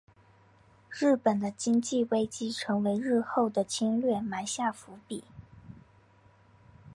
日本的经济危机成为日后的侵略埋下伏笔。